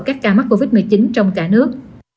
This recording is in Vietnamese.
các ca mắc covid một mươi chín trong cả nước